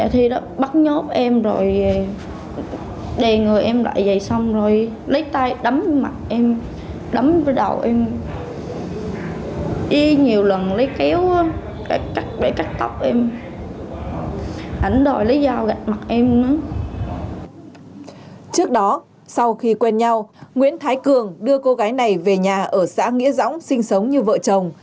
trước đó sau khi quen nhau nguyễn thái cường đưa cô gái này về nhà ở xã nghĩa dõng sinh sống như vợ chồng